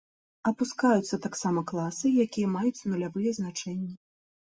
Апускаюцца таксама класы, якія маюць нулявыя значэнні.